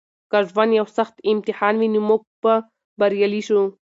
که ژوند یو سخت امتحان وي نو موږ به بریالي شو.